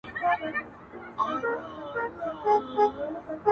دا تور بدرنګه دا زامن د تیارو.!